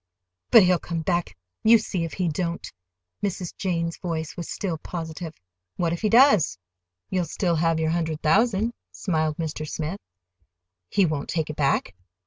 "But he'll come back—you see if he don't!" Mrs. Jane's voice was still positive. "What if he does? You'll still have your hundred thousand," smiled Mr. Smith. "He won't take it back?"